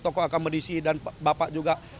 tokoh akamedisi dan bapak juga